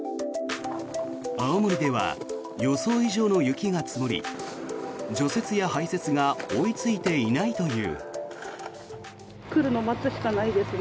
青森では予想以上の雪が積もり除雪や排雪が追いついていないという。